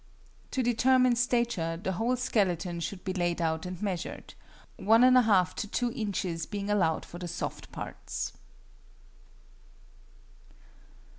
To determine stature, the whole skeleton should be laid out and measured, 1 1/2 to 2 inches being allowed for the soft parts.